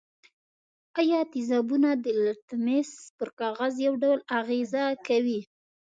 آیا تیزابونه د لتمس پر کاغذ یو ډول اغیزه کوي؟